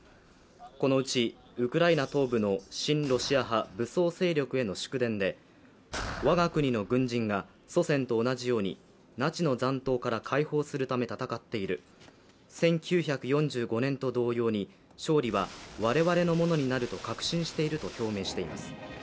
このうちウクライナ東部の親ロシア派武装勢力への祝電で我が国の軍人が祖先と同じようにナチの残党から解放するため戦っている、１９４５年と同様に勝利は我々のものになると確信していると表明しています。